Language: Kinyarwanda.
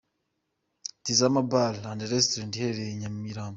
Tizama Bar and Restaurant iherereye i Nyamirambo.